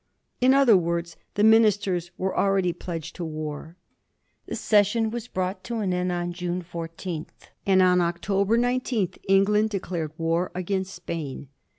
In other words, the ministers were already pledged to war. The session was brought to an end on June 14th, and on October 19th England declared war against Spain.